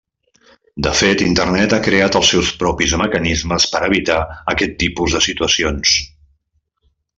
De fet Internet ha creat els seus propis mecanismes per evitar aquest tipus de situacions.